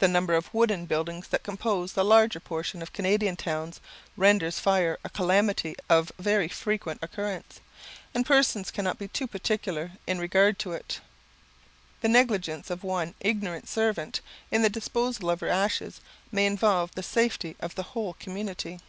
The number of wooden buildings that compose the larger portion of Canadian towns renders fire a calamity of very frequent occurrence, and persons cannot be too particular in regard to it. The negligence of one ignorant servant in the disposal of her ashes, may involve the safety of the whole community.